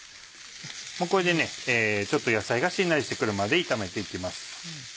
もうこれで野菜がしんなりして来るまで炒めて行きます。